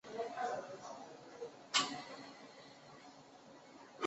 广岛东洋鲤鱼是一支隶属日本职棒中央联盟的球队。